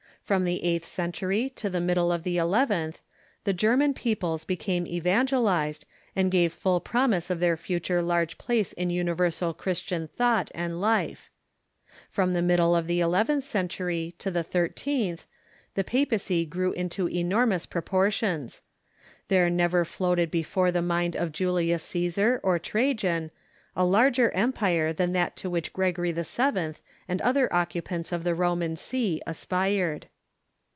From the eighth EETROSPECT 191 centtiry to the middle of the eleventh the German peoples be came evangelized, and gave full promise of their future large place in universal Christian thought and life. From stages of ^j j^jjidie of the eleventh century to the thirteenth Progress .• m the papacy grew into enormous proportions. There never floated before the mind of Julius Ctesar or Trajan a larger empire than that to which Gregory VII. and other oc cupants of the Roman see aspired.